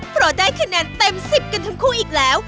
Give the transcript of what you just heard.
เพราะได้คะแนนเต็ม๑๐กันทั้งคู่อีกแล้ว